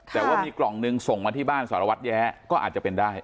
แต่ว่ามีกล่องหนึ่งส่งมาที่บ้านสารวัตรแย้ก็อาจจะเป็นได้